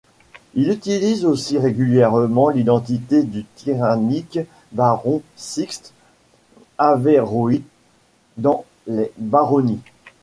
Il utilise aussi régulièrement l'identité du tyrannique baron Sixte Averroës dans les baronnies.